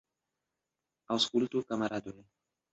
Aŭskultu, kamaradoj!